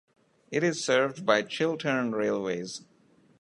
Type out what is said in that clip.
It is served by Chiltern Railways.